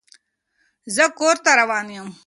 زه کور ته روان يم.